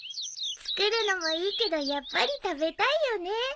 作るのもいいけどやっぱり食べたいよね。